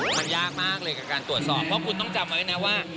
มันยากมากเลยกับการตรวจสอบเพราะคุณต้องจำไว้นะว่า